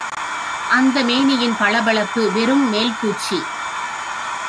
அந்த மேனியின் பளபளப்பு, வெறும் மேல் பூச்சு!